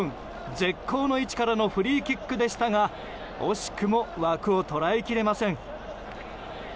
絶好の位置からのフリーキックでしたが惜しくも枠を捉えきれません。